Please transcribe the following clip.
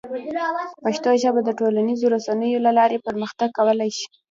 پښتو ژبه د ټولنیزو رسنیو له لارې پرمختګ کولی شي.